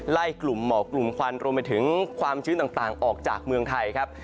ไล่กลุ่มหมอกกลุ่มควันรวมไปถึงความชื้นต่างออกจากเมืองไทยครับ